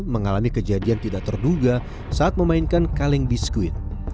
mengalami kejadian tidak terduga saat memainkan kaleng biskuit